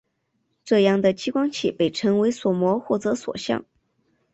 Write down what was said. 这样的激光器被称为锁模或者锁相。